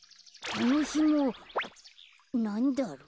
このひもなんだろう。